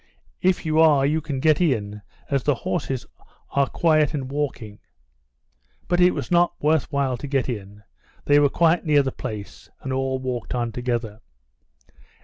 "If you are you can get in, as the horses are quiet and walking." But it was not worth while to get in, they were quite near the place, and all walked on together.